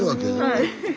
はい。